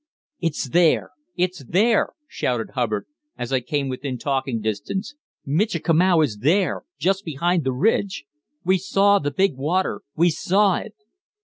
"It's there! it's there!" shouted Hubbard, as I came within talking distance. "Michikamau is there, just behind the ridge. We saw the big water; we saw it!"